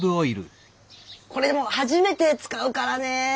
これでも初めて使うからね。